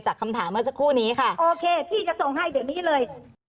คำถามเมื่อสักครู่นี้ค่ะโอเคพี่จะส่งให้เดี๋ยวนี้เลย